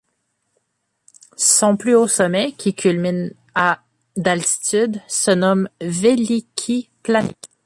Son plus haut sommet, qui culmine à d'altitude, se nomme Veliki Planik.